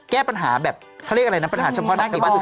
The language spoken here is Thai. แก้ปัญหาแบบเขาเรียกอะไรนะปัญหาชำข้อน่าเก่งมาก